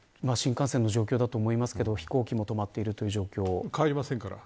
新幹線の状況だと思いますけど飛行機も止まってるという状況。